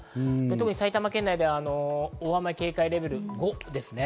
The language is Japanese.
特に埼玉県では大雨警戒レベル５ですね。